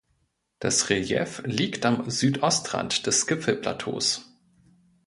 Das Relief liegt am Südostrand des Gipfelplateaus.